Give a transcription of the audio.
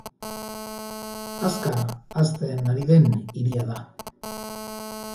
Azkar hazten ari den hiria da.